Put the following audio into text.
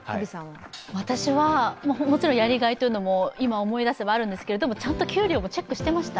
私はもちろんやりがいというのも、今思い出せばあるんですがでもちゃんと給料はチェックしてました。